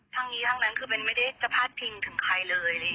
ทั้งนี้ทั้งนั้นคือเบนไม่ได้จะพาดพิงถึงใครเลย